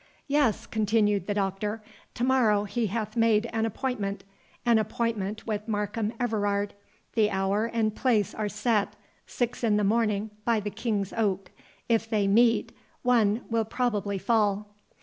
"Yes," continued the Doctor, "to morrow he hath made an appointment—an appointment with Markham Everard; the hour and place are set—six in the morning, by the King's Oak. If they meet, one will probably fall."